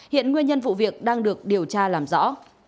hiện nguyên nhân vụ việc đang được điều tra làm rõ